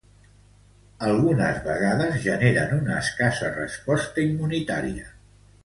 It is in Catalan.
Algunes vegades generen una escassa resposta immunitària.